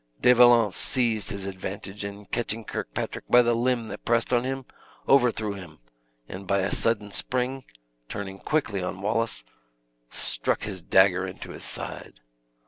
De Valence seized his advantage, and catching Kirkpatrick by the limb that pressed on him, overthrew him; and by a sudden spring, turning quickly on Wallace, struck his dagger into his side.